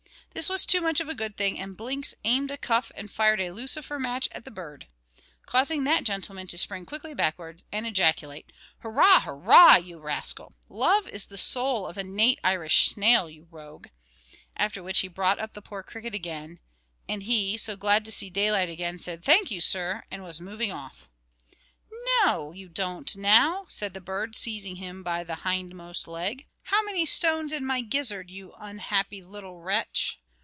This was too much of a good thing; and Blinks aimed a cuff and fired a lucifer match at the bird, causing that gentleman to spring quickly backwards and ejaculate. "Hurrah! hurrah! you rascal! Love is the soul of a nate Irish snail, you rogue." After which he brought up the poor cricket again; and he, glad to see day light again, said, "Thank you, sir," and was moving off. "No, you don't now!" said the bird, seizing him by the hindermost leg. "How many stones in my gizzard, you unhappy little wretch?"